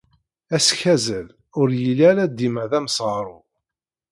Askazel ur yelli ara dima d amesɣaru.